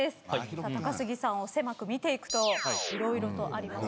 さあ高杉さんを狭く見ていくと色々とあります。